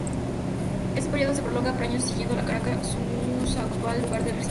Este período se prolonga por años, siendo Caracas su actual lugar de residencia.